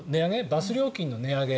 バス料金の値上げ